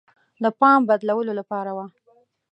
د پام بدلولو لپاره وه.